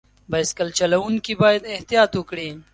بایسکل چلوونکي باید احتیاط وکړي.